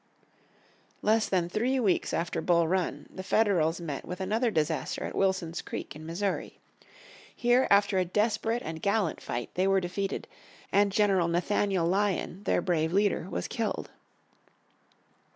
Less than three weeks after Bull Run, the Federals met with another disaster at Wilson's Creek in Missouri. Here, after a desperate and gallant fight, they were defeated, and General Nathaniel Lyon, their brave leader, was killed.